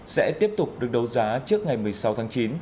sẽ tiếp tục được đấu giá trước ngày một mươi sáu tháng chín